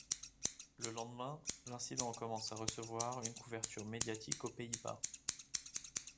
Le lendemain, l'incident commence à recevoir une couverture médiatique aux Pays-Bas.